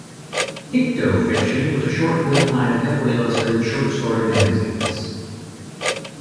"Picto-Fiction" was a short-lived line of heavily illustrated short story magazines.